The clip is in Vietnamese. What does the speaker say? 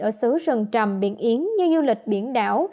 ở xứ rừng trầm biển yến như du lịch biển đảo